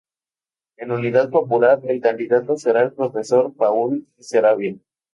En Unidad Popular el candidato será el Profesor Paul Saravia.